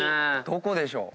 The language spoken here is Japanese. どこでしょう？